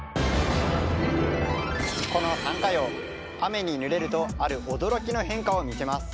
このサンカヨウ雨にぬれるとある驚きの変化を見せます。